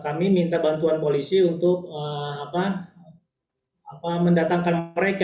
kami minta bantuan polisi untuk mendatangkan mereka